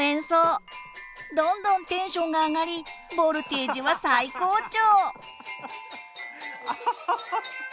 どんどんテンションが上がりボルテージは最高潮！